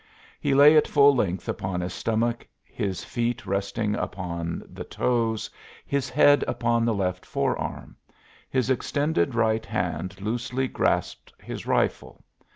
He lay at full length upon his stomach, his feet resting upon the toes, his head upon the left forearm. His extended right hand loosely grasped his rifle.